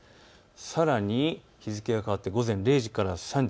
さらに日付が変わって午前０時から３時。